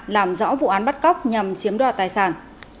làm rõ vụ án bắt cóc nhằm chiếm đoạt tài sản